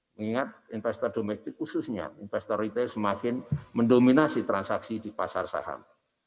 mengingat investor domestik khususnya investor retail semakin mendominasi transaksi di pasar saham